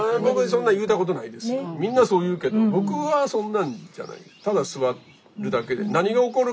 みんなそう言うけど僕はそんなんじゃない。